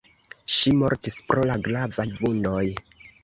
Ŝi mortis pro la gravaj vundoj.